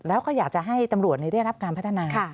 แล้วก็อยากจะให้ตำรวจได้รับการพัฒนา